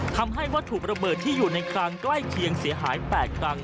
ทำให้วัตถุระเบิดที่อยู่ในคลังใกล้เคียงเสียหาย๘ครั้ง